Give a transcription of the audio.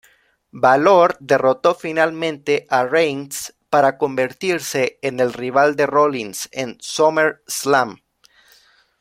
Bálor derrotó finalmente a Reigns, para convertirse en el rival de Rollins en "SummerSlam".